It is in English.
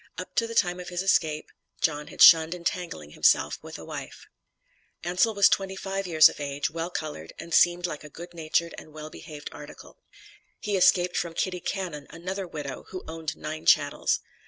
Up to the time of his escape, John had shunned entangling himself with a wife. Ansal was twenty five years of age, well colored, and seemed like a good natured and well behaved article. He escaped from Kitty Cannon, another widow, who owned nine chattels.